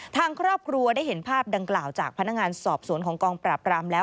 ทางครอบครัวได้เห็นภาพดังกล่าวจากพนักงานสอบสวนของกองปราบรามแล้ว